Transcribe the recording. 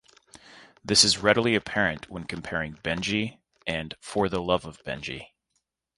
This is readily apparent when comparing "Benji" and "For the Love of Benji".